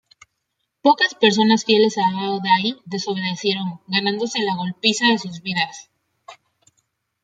Pocas personas, fieles a Bao Dai, desobedecieron ganándose la golpiza de sus vidas.